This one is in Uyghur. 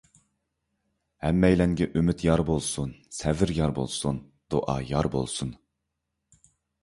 ھەممەيلەنگە ئۈمىد يار بولسۇن، سەۋر يار بولسۇن، دۇئا يار بولسۇن!